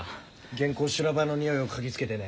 原稿修羅場のにおいを嗅ぎつけてね。